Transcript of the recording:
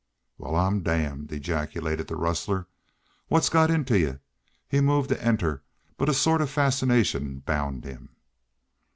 "Wal, I'm damned!" ejaculated the rustler. "What's got into y'u?" He moved to enter, but a sort of fascination bound him.